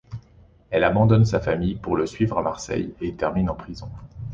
Elle abandonne sa famille pour le suivre à Marseille et termine en prison.